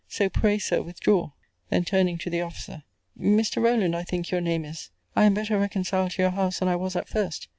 So, pray, Sir, withdraw. Then turning to the officer, Mr. Rowland I think your name is? I am better reconciled to your house than I was at first.